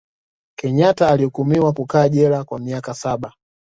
kenyata alihukumiwa kukaa jela kwa miaka saba